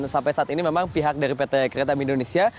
sampai saat ini memang pihak dari pt kereta api indonesia